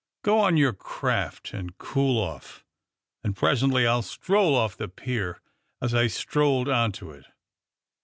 Go on your craft and cool off, and pres ently I'll stroll off the pier as I strolled on to it."